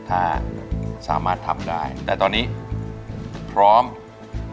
ถ้าจะมาล่ะจะมาทำท่ายังไงจะมา